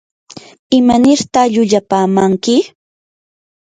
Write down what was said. ¿imanirta llullapamanki?